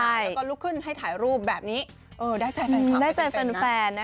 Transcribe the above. แล้วก็ลุกขึ้นให้ถ่ายรูปแบบนี้ได้ใจแฟนคลับเป็นแฟนนะ